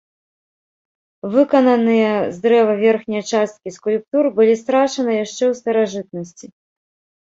Выкананыя з дрэва верхнія часткі скульптур былі страчаны яшчэ ў старажытнасці.